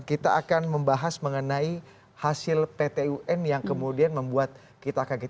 kita akan membahas mengenai hasil pt un yang kemudian membuat kita kaget